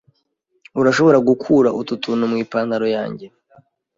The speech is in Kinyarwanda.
Urashobora gukura utu tuntu mu ipantaro yanjye?